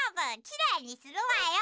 きれいにするわよ。